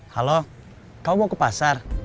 halo kau mau ke pasar